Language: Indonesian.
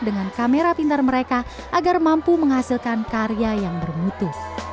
dengan kamera pintar mereka agar mampu menghasilkan karya yang bermutu